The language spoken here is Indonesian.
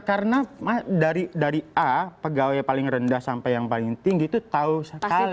karena dari a pegawai yang paling rendah sampai yang paling tinggi itu tahu sekali